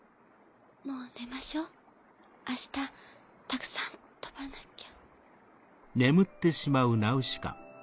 もう寝ましょう明日たくさん飛ばなきゃ。